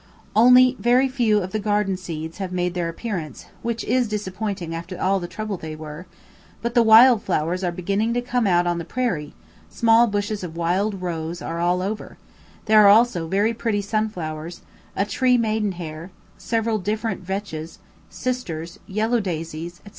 Only very few of the garden seeds have made their appearance, which is disappointing after all the trouble they were; but the wild flowers are beginning to come out on the prairie, small bushes of wild roses are all over; there are also very pretty sunflowers, a tree maiden hair, several different vetches, sisters, yellow daisies, &c.